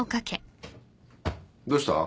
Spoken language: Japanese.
どうした？